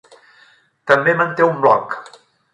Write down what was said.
També manté un blog.